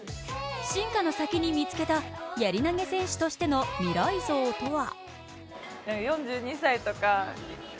進化の先に見つけたやり投げ選手としての未来像とは？